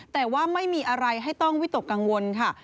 แต่ว่าไม่มีอะไรให้ต้องวิตกกังวลค่ะ